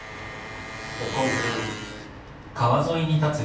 結婚記念日。